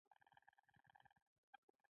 جلګه د افغانستان په ستراتیژیک اهمیت کې رول لري.